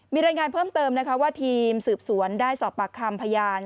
มีรายงานเพิ่มเติมนะคะว่าทีมสืบสวนได้สอบปากคำพยาน